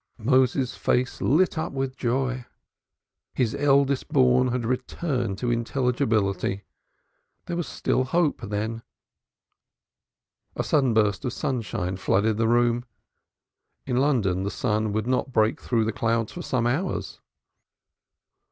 Moses's face lit up with joy. His eldest born had returned to intelligibility. There was hope still then. A sudden burst of sunshine flooded the room. In London the sun would not break through the clouds for some hours.